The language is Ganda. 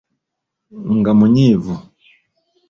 Nga munyiivu.